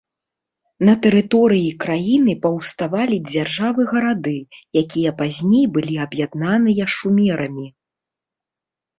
На тэрыторыі краіны паўставалі дзяржавы-гарады, якія пазней былі аб'яднаныя шумерамі.